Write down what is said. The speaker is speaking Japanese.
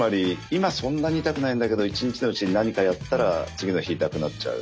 今そんなに痛くないんだけど一日のうちに何かやったら次の日痛くなっちゃう。